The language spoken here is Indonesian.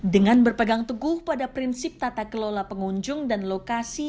dengan berpegang teguh pada prinsip tata kelola pengunjung dan lokasi